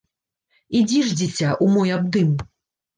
Ідзі ж, дзіця, у мой абдым!